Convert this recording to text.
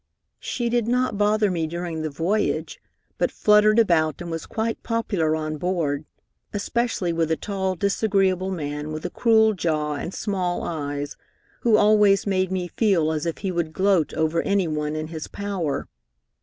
"She did not bother me during the voyage, but fluttered about and was quite popular on board, especially with a tall, disagreeable man with a cruel jaw and small eyes, who always made me feel as if he would gloat over any one in his power.